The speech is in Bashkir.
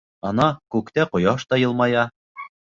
Ана, күктә ҡояш та йылмая.